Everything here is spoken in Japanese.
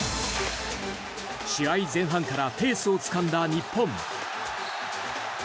試合前半からペースをつかんだ日本。